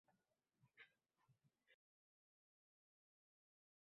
Yuragimga shabnamdayin inib turgan